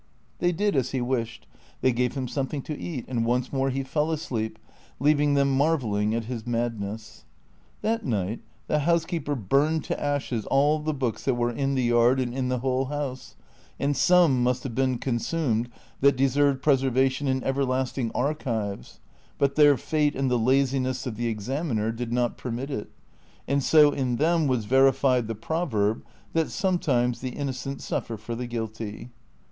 They did as he wished ; they gave him something to eat, and once more he fell asleep, leaving them marvelling at his madness. That night the housekeeper burned to ashes all the books that were in the yard and in the whole house ; and some must have been consumed that deserved preservation in everlasting archives, but their fate and the laziness of the examiner did not permit it, and so in them was verified the proverb that sometimes the innocent suffer for the guilty.'